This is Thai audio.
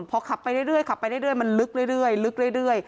พอขับไปเรื่อยเรื่อยขับไปเรื่อยเรื่อยมันลึกเรื่อยเรื่อยลึกเรื่อยเรื่อย